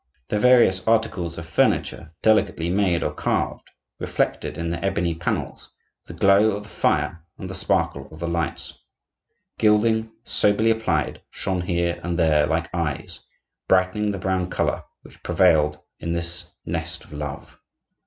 The various articles of furniture, delicately made or carved, reflected in their ebony panels the glow of the fire and the sparkle of the lights. Gilding, soberly applied, shone here and there like eyes, brightening the brown color which prevailed in this nest of love.